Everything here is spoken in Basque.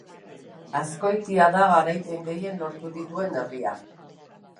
Azkoitia da garaipen gehien lortu dituen herria.